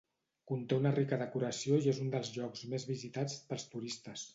Conté una rica decoració i és un dels llocs més visitats pels turistes.